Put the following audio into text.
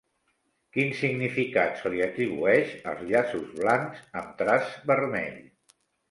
Quin significat se li atribueix als llaços blancs amb traç vermell?